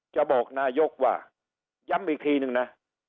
จะบอกนายกว่าย้ำอีกทีนึงนะ